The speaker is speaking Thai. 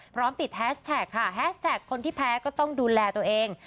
พร้อมติดแฮชแท็กค่ะแฮสแท็กคนที่แพ้ก็ต้องดูแลตัวเอง